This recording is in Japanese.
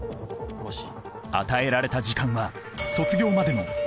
与えられた時間は卒業までの７２時間。